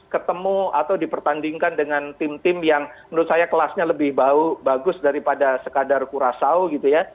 ketemu atau dipertandingkan dengan tim tim yang menurut saya kelasnya lebih bagus daripada sekadar kurasau gitu ya